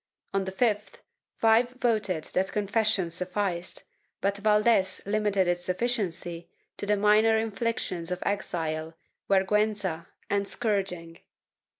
On the fifth, five voted that confession sufficed, but Valdes limited its sufficiency to the minor inflictions of exile, vergiienza and scourging.